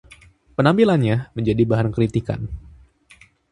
Penampilannya menjadi bahan kritikan.